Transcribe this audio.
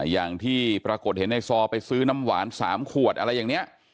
อย่างที่ปรากฏเห็นในซอไปซื้อน้ำหวาน๓ขวดอะไรอย่างนี้